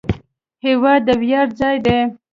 هېواد د ویاړ ځای دی.